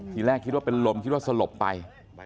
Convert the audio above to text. ทีแรกคิดว่าเป็นลมคิดว่าสลบไป